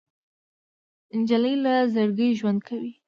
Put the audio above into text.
نجلۍ له زړګي ژوند کوي.